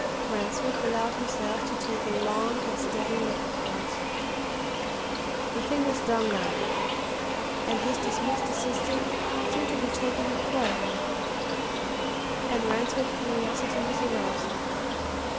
Ransford allowed himself to take a long and steady look at Bryce. The thing was done now, and his dismissed assistant seemed to be taking it quietly and Ransford's curiosity was aroused.